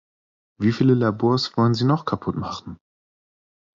Wie viele Labors wollen Sie noch kaputtmachen?